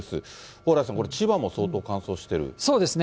蓬莱さん、これ、そうですね。